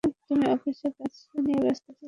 তুমি অফিসের কাজ নিয়ে ব্যাস্ত ছিলে।